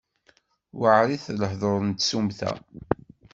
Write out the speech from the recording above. Weεrit lehdur n tsumta.